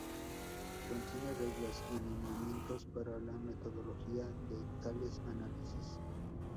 Contiene reglas y lineamientos para la metodología de tales análisis.